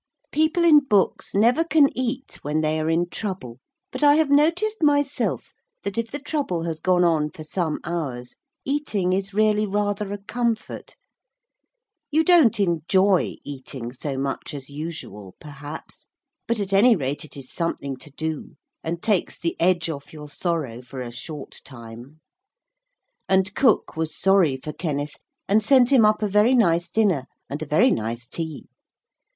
People in books never can eat when they are in trouble, but I have noticed myself that if the trouble has gone on for some hours, eating is really rather a comfort. You don't enjoy eating so much as usual, perhaps, but at any rate it is something to do, and takes the edge off your sorrow for a short time. And cook was sorry for Kenneth and sent him up a very nice dinner and a very nice tea.